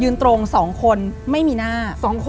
ตรง๒คนไม่มีหน้า